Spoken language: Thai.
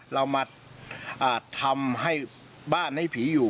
เรามาทำให้บ้านให้ผีอยู่